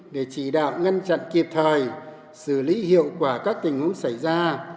để chỉ đạo ngăn chặn kịp thời xử lý hiệu quả các tình huống xảy ra